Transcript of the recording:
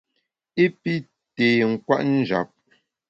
I pi té nkwet njap.